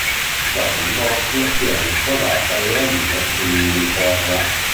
Dopo il divorzio si è risposata e ora vive in Inghilterra.